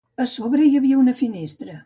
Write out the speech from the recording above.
A sobre hi havia una finestra.